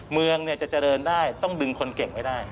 เมืองจะเจริญได้ต้องดึงคนเก่งไว้ได้